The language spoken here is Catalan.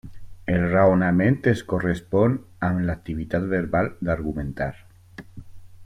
El raonament es correspon amb l'activitat verbal d'argumentar.